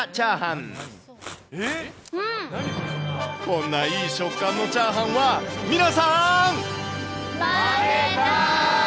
こんないい食感のチャーハンは、皆さん。